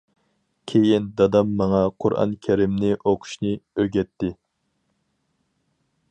كېيىن، دادام ماڭا قۇرئان كېرەمنى ئوقۇشنى ئۆگەتتى.